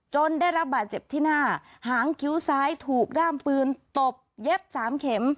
ได้รับบาดเจ็บที่หน้าหางคิ้วซ้ายถูกด้ามปืนตบเย็บสามเข็ม